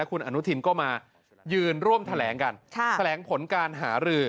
คุณอนุทินก็มายืนร่วมแถลงกันแถลงผลการหารือ